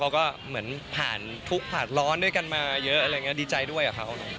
แล้วก็เหมือนผ่านทุกข์ผ่านร้อนด้วยกันมาเยอะดีใจด้วยกับเขา